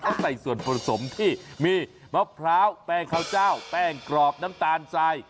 เขาใส่ส่วนผสมที่มีมะพร้าวแป้งข้าวเจ้าแป้งกรอบน้ำตาลทราย